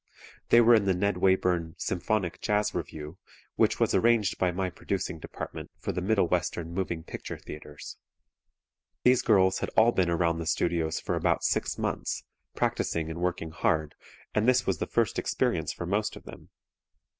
They were in the Ned Wayburn "Symphonic Jazz Revue," which was arranged by my producing department for the Middle Western Moving Picture Theatres. These girls had all been around the Studios for about six months, practicing and working hard, and this was the first experience for most of them.